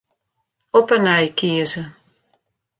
Op 'e nij kieze.